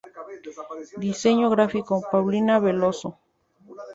Diseño Gráfico: Paulina Veloso.